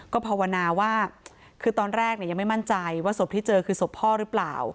ก็ภาวนาว่าคือตอนแรกยังไม่มั่นใจว่าศพที่เจอคือศพพ่อหรือเปล่า